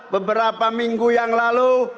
beberapa minggu yang lalu